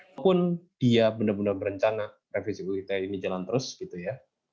walaupun dia benar benar berencana revisi uu ite ini jalan terus gitu ya